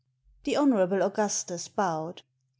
The Hon. Augustus bowed.